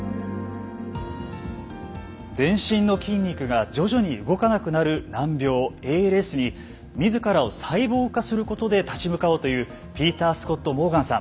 全身の筋肉が徐々に動かなくなる難病ＡＬＳに自らをサイボーグ化することで立ち向かおうというピーター・スコット−モーガンさん。